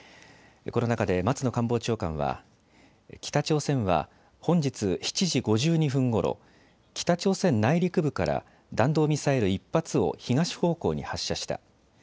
この中で松野官房長官は北朝鮮は本日７時５２分ごろ、北朝鮮内陸部から弾道ミサイル１発を東方向に発射した。